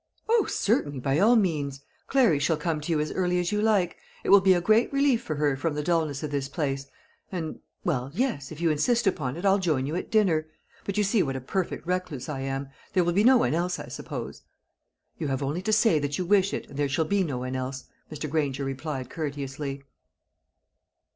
"O, certainly, by all means. Clary shall come to you as early as you like. It will be a great relief for her from the dulness of this place. And well yes, if you insist upon it, I'll join you at dinner. But you see what a perfect recluse I am. There will be no one else, I suppose?" "You have only to say that you wish it, and there shall be no one else," Mr. Granger replied courteously.